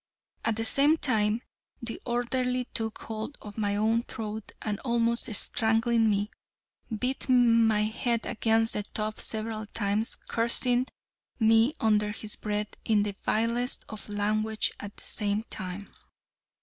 At the same time the orderly took hold of my own throat and almost strangling me, beat my head against the tub several times cursing me under his breath in the vilest of language at the same time.